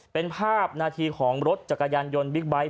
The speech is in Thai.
เป็นภาพนาทีของรถจักรยานยนต์บิ๊กไบท์